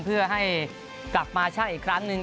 เพื่อให้กลับมาช่างอีกครั้งหนึ่ง